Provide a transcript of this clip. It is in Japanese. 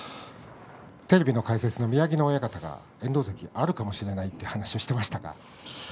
テレビの解説の宮城野親方は遠藤関、あるかもしれないと話していましたよ。